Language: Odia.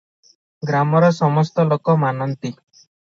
ଗ୍ରାମର ସମସ୍ତ ଲୋକ ମାନନ୍ତି ।